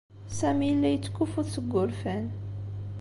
Sami yella yettkuffut seg wurfan.